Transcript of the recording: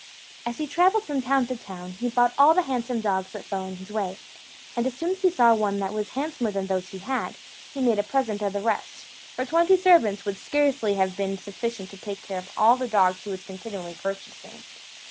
As he travelled from town to town, he bought all the handsome dogs that fell in his way; and as soon as he saw one that was handsomer than those he had, he made a present of the rest; for twenty servants would scarcely have been sufficient to take care of all the dogs he was continually purchasing.